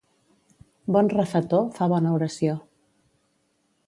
Bon refetor fa bona oració.